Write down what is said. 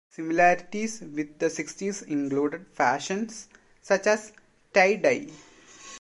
Similarities with the Sixties included fashions such as Tie-dye.